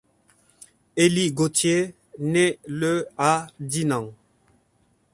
Élie Gautier naît le à Dinan.